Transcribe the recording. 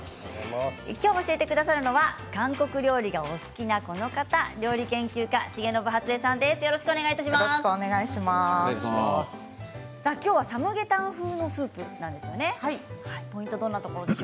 今日、教えてくださるのは韓国料理がお好きな、この方料理研究家の重信初江さんです。